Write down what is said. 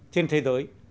trên thế giới